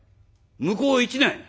向こう一年！？